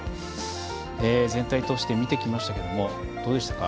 全体通して見てきましたけれどもどうでしたか？